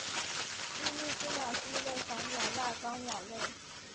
利尼斯鸟是一类反鸟亚纲鸟类。